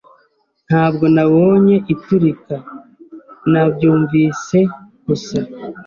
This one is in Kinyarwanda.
Ntabwo nabonye iturika. Nabyumvise gusa.